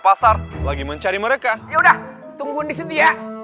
pasar lagi mencari muncul teman teman kita cuma pun sama sorotnya kasih cepet